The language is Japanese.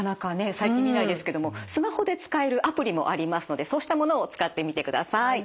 最近見ないですけどもスマホで使えるアプリもありますのでそうしたものを使ってみてください。